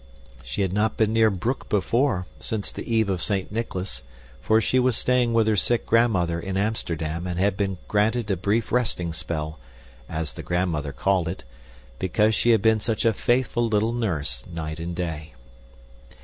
She had not been near Broek before, since the Eve of Saint Nicholas, for she was staying with her sick grandmother in Amsterdam and had been granted a brief resting spell, as the grandmother called it, because she had been such a faithful little nurse night and day.